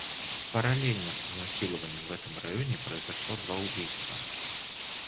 Параллельно с изнасилованием в этом районе произошло два убийства.